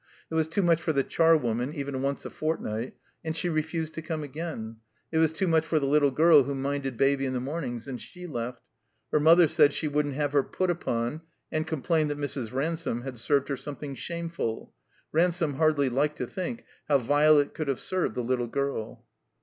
It was too much for the charwoman, even once a fortnight, and she refused to come again. It was too much for the little girl who minded Baby in the mornings, and she left. Her mother said she wouldn't "have her put upon," and complained that Mrs. Ransome had served her something shameful. Ransome hardly liked to think how Violet could have served the little girl.